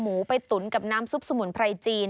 หมูไปตุ๋นกับน้ำซุปสมุนไพรจีน